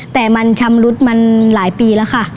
แต่มันชำรุดมันหลายปีแล้วค่ะ